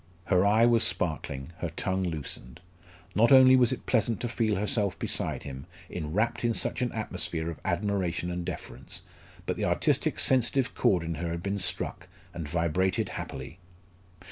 Her eye was sparkling, her tongue loosened. Not only was it pleasant to feel herself beside him, enwrapped in such an atmosphere of admiration and deference, but the artistic sensitive chord in her had been struck, and vibrated happily.